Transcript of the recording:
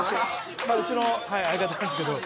まあうちのはい相方なんですけど。